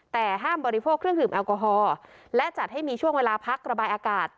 แต่ห้ามบริโภคเครื่องดื่มแอลกอฮอล์และจัดให้มีช่วงเวลาพักระบายอากาศ